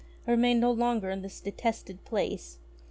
I remain no longer in this detested place.